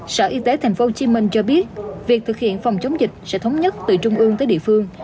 sở y tế thành phố hồ chí minh cho biết việc thực hiện phòng chống dịch sẽ thống nhất từ trung ương tới địa phương